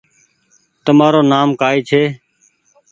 تمآرو نآم ڪآئي ڇي ۔